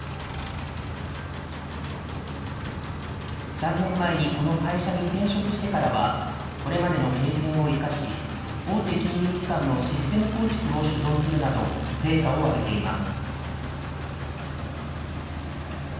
３年前にこの会社に転職してからは、これまでの経験を生かし、大手金融機関のシステム構築を主導するなど、成果を上げています。